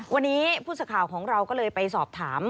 วันนี้ผู้สื่อข่าวของเราก็เลยไปสอบถาม